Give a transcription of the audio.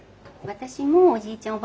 私もおじいちゃん